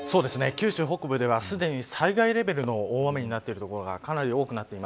九州北部では、すでに災害最大レベルの大雨になっている所がかなりあります。